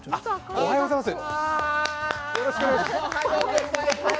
おはようございます。